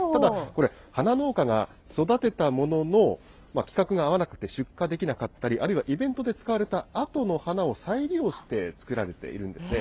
ただ、これ、花農家が育てたものの、規格が合わなくて、出荷できなかったり、あるいはイベントで使われたあとの花を再利用して作られているんですね。